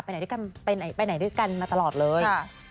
ไปไหนด้วยกันมาตลอดเลย